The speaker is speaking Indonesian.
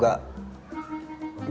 gak ada kopi